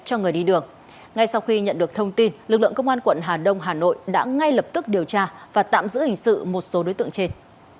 cho người đi đường ngay sau khi nhận được thông tin lực lượng công an quận hà đông hà nội đã ngay lập tức điều tra và tạm giữ hình sự một số đối tượng trên